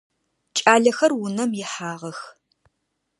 Кӏалэхэр унэм ихьагъэх.